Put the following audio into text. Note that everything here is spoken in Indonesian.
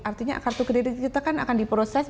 artinya kartu kredit kita kan akan diproses